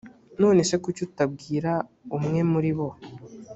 none se kuki utabwira umwe muri bo?